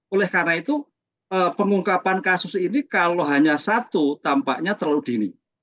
oleh karena itu pengungkapan kasus ini kalau hanya satu tampaknya terlalu dini